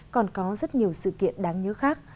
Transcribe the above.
còn có rất nhiều sự kiện đáng nhớ khác